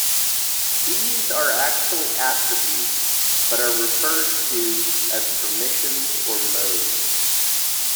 These are actually attributes but are referred to as permissions or modes.